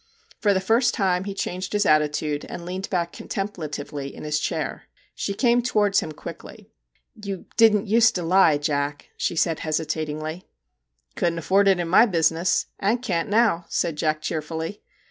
For the first time he changed his attitude, and leaned back contemplatively in his chair. She came towards him quickly. 'You didn't used to lie, Jack,' she said hesitat ingly. * Couldn't afford it in my business and can't now/ said Jack cheerfully.